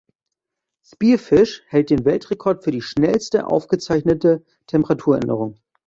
Spearfish hält den Weltrekord für die schnellste aufgezeichnete Temperaturänderung.